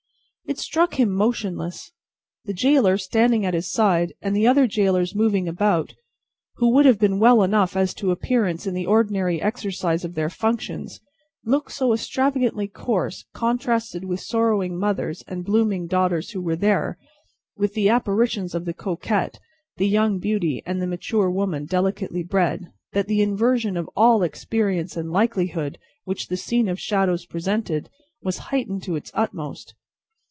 It struck him motionless. The gaoler standing at his side, and the other gaolers moving about, who would have been well enough as to appearance in the ordinary exercise of their functions, looked so extravagantly coarse contrasted with sorrowing mothers and blooming daughters who were there with the apparitions of the coquette, the young beauty, and the mature woman delicately bred that the inversion of all experience and likelihood which the scene of shadows presented, was heightened to its utmost.